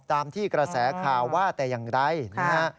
ตามที่กระแสข่าวว่าแต่อย่างใดนะฮะ